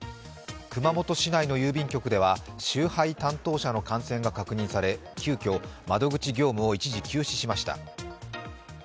熊本市内の郵便局では集配担当者の感染が確認され急きょ、窓口業務を一時休止しました。